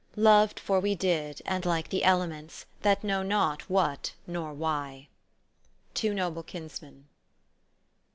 " Loved for we did, and like the elements, That know not what nor why." Two NOBLE KINSMEN.